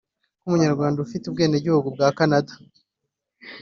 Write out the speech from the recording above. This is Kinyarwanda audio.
nk’umunyarwanda ufite ubwenegihugu bwa Canada